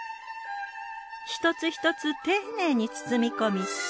一つ一つ丁寧に包み込み